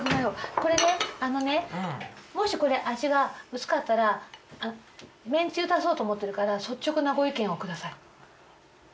これねあのねもしこれ味が薄かったらめんつゆ足そうと思ってるから率直なご意見をください。